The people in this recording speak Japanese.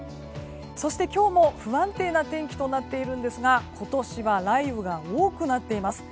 そして、今日も不安定な天気となっていますが今年は雷雨が多くなっています。